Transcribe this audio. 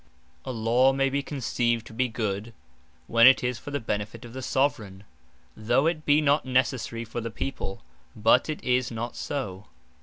A Law may be conceived to be Good, when it is for the benefit of the Soveraign; though it be not Necessary for the People; but it is not so.